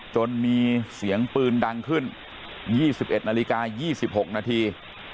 จนมีเสียงปืนดังขึ้น๒๑นาฬิกา๒๖นาที